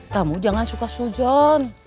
kamu jangan suka seujon